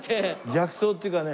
逆走っていうかね